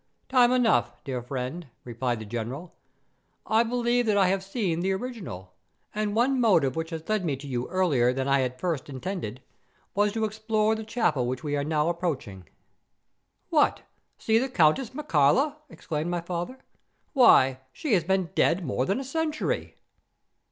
"Time enough, dear friend," replied the General. "I believe that I have seen the original; and one motive which has led me to you earlier than I at first intended, was to explore the chapel which we are now approaching." "What! see the Countess Mircalla," exclaimed my father; "why, she has been dead more than a century!"